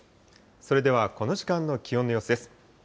それではこの時間の気温の様子です。